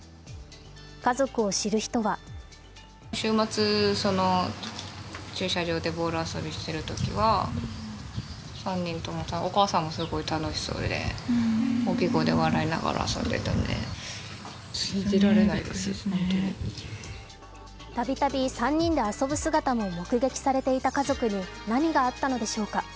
家族を知る人はたびたび３人で遊ぶ姿も目撃されていた家族に何があったのでしょうか。